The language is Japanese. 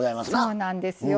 そうなんですよ。